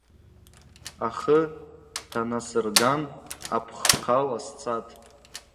Ахы танасырган апххъала сцатӏ.